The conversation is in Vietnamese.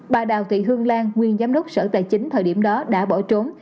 bà đào thị hương lan nguyên giám đốc sở tài chính thời điểm đó đã bỏ trốn